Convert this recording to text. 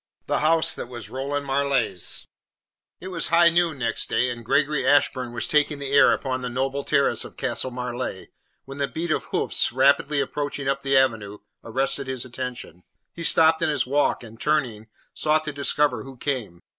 THE HOUSE THAT WAS ROLAND MARLEIGH'S It was high noon next day, and Gregory Ashburn was taking the air upon the noble terrace of Castle Marleigh, when the beat of hoofs, rapidly approaching up the avenue, arrested his attention. He stopped in his walk, and, turning, sought to discover who came.